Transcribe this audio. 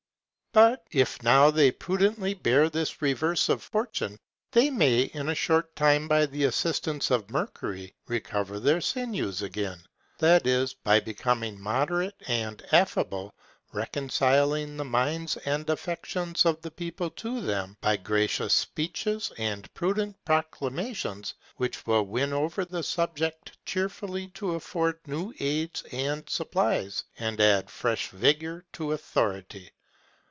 But if now they prudently bear this reverse of fortune, they may, in a short time, by the assistance of Mercury, recover their sinews again; that is, by becoming moderate and affable; reconciling the minds and affections of the people to them, by gracious speeches and prudent proclamations, which will win over the subject cheerfully to afford new aids and supplies, and add fresh vigor to authority.